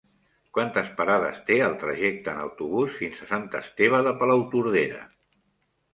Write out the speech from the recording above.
Quantes parades té el trajecte en autobús fins a Sant Esteve de Palautordera?